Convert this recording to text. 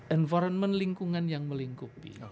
environment lingkungan yang melingkupi